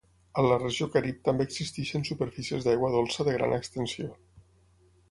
A la regió Carib també existeixen superfícies d'aigua dolça de gran extensió.